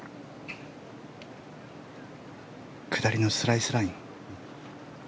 下りのスライスライン。